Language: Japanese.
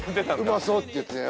うまそうって言ってね